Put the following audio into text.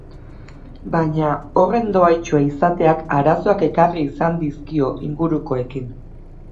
Baina, horren dohaitsua izateak arazoak ekarri izan dizkio ingurukoekin.